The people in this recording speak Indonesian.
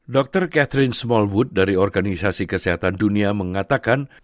dr catherine smallwood dari organisasi kesehatan dunia mengatakan